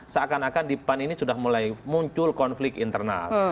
seakan akan di pan ini sudah mulai muncul konflik internal